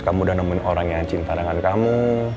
kamu udah nemuin orang yang cinta dengan kamu